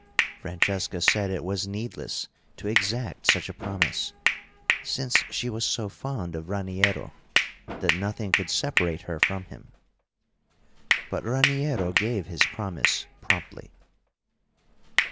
Francesca said it was needless to exact such a promise, since she was so fond of Raniero that nothing could separate her from him. But Raniero gave his promise promptly.